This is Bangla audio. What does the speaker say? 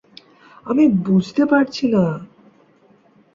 আমি বুঝতে পারছি না।